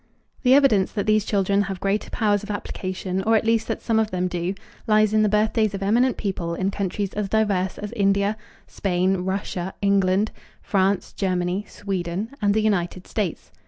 The evidence that these children have greater powers of application, or at least that some of them do, lies in the birthdays of eminent people in countries as diverse as India, Spain, Russia, England, France, Germany, Sweden, and the United States.